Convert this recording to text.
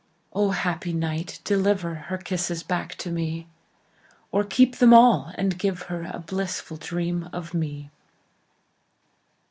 O, happy night, deliverHer kisses back to me, Or keep them all, and give herA blissful dream of me!